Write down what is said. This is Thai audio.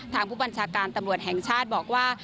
ทางผู้บัญชาการตำรวจแห่งชาติบอกว่า